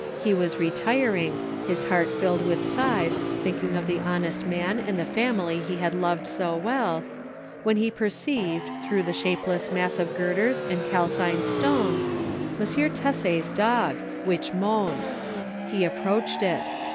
He was retiring his heart filled with sighs, thinking of the honest man and the family he had loved so well when he perceived, through the shapeless mass of girders and calcined stones, M. Tesser's dog, which moaned; he approached it.